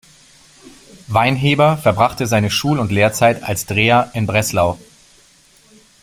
Weinheber verbrachte seine Schul- und Lehrzeit als Dreher in Breslau.